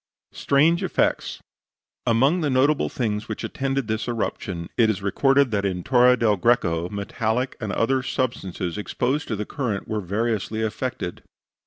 STRANGE EFFECTS Among the notable things which attended this eruption, it is recorded that in Torre del Greco metallic and other substances exposed to the current were variously affected.